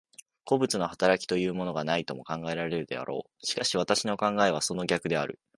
個物の働きというものがないとも考えられるであろう。しかし私の考えはその逆である。